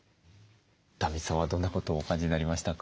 壇蜜さんはどんなことをお感じになりましたか？